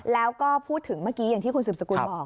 แล้วก็พูดถึงเมื่อกี้อย่างที่คุณสืบสกุลบอก